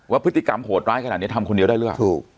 พฤติกรรมโหดร้ายขนาดนี้ทำคนเดียวได้หรือเปล่า